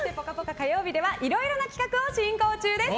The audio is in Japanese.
火曜日ではいろいろな企画を進行中です。